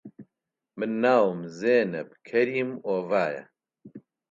من ناوم زێنەب کەریم ئۆڤایە